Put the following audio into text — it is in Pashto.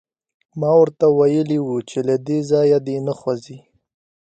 ما ورته ویلي وو چې له دې ځایه دې نه خوځي